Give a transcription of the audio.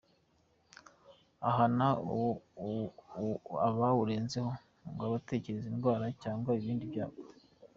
Ahana abawurenzeho ngo abaterereza indwara cyangwa ibindi byago.